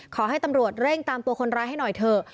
ขอให้ตำรวจเร่งตามตัวคนร้ายให้หน่อยเถอะ